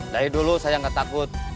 dari dulu saya nggak takut